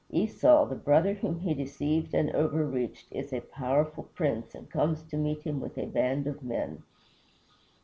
Esau, the brother whom he deceived and overreached, is a powerful prince, and comes to meet him with a band of men.